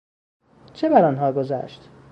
چه برآنها گذشت؟